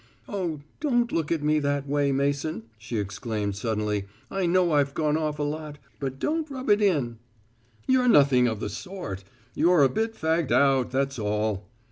"Oh, don't look at me that way, Mason," she exclaimed suddenly; "I know I've gone off a lot, but don't rub it in." "You're nothing of the sort. You are a bit fagged out, that's all."